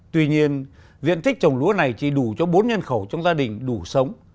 tuy nhiên diện tích trồng lúa này chỉ đủ cho bốn nhân khẩu trong gia đình đủ sống